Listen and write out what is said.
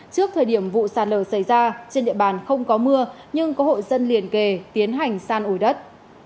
trước thời điểm vụ xa lở xảy ra trên địa bàn không có mưa nhưng có hội dân liền kề tiến hành xa nổi đất